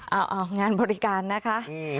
เอางานบริการนะคะ